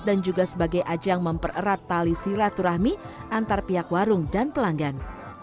dan juga sebagai ajang mempererat tali siraturahmi antar pihak warung dan pelanggan